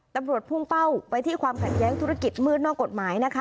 ตำรวจพุ่งเป้าไปที่ความขัดแย้งธุรกิจมืดนอกกฎหมายนะคะ